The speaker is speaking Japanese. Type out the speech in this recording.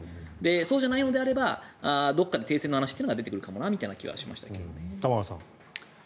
そうじゃないのであればどこかで停戦の話が出てくるのかなという気もしましたけどね。